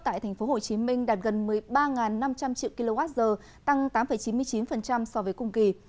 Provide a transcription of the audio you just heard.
tại tp hcm đạt gần một mươi ba năm trăm linh triệu kwh tăng tám chín mươi chín so với cùng kỳ